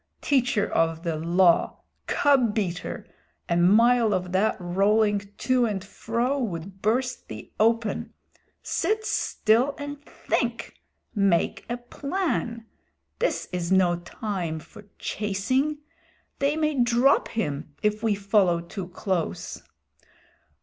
Teacher of the Law cub beater a mile of that rolling to and fro would burst thee open. Sit still and think! Make a plan. This is no time for chasing. They may drop him if we follow too close."